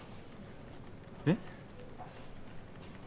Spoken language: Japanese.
えっ？